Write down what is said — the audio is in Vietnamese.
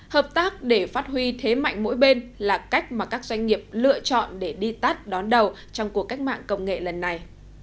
hợp tác để phát huy thế mạnh mỗi bên là cách mà các doanh nghiệp lựa chọn để đi tắt đón đầu trong cuộc cách mạng công nghệ lần này